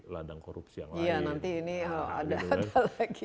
ladang korupsi yang lain iya nanti ini